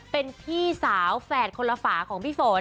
เป็นพี่สาวแฝดคนละฝาของพี่ฝน